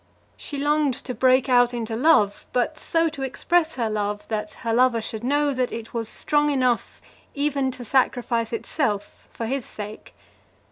She longed to break out into love, but so to express her love that her lover should know that it was strong enough even to sacrifice itself for his sake.